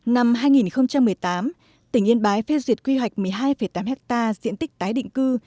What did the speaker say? năm hai nghìn một mươi tám tỉnh yên bái phê duyệt quy hoạch một mươi hai tám hectare diện tích tái định cư